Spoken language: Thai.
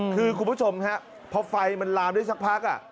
คือคุณผู้ชมฮะพอไฟมันลามได้สักพัก